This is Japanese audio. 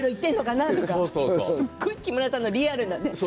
すごい木村さんのリアルなね。